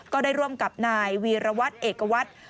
ก็ได้ร่วมกับนายวีรวัตรเอกวัตร